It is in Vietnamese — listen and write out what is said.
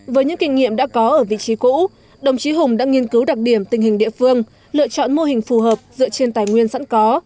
với những kinh nghiệm đã có ở vị trí cũ đồng chí hùng đã nghiên cứu đặc điểm tình hình địa phương lựa chọn mô hình phù hợp dựa trên tài nguyên sẵn có